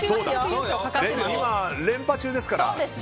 今、連覇中ですから。